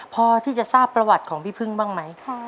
พอที่จะทราบประวัติของพี่พึ่งบ้างไหม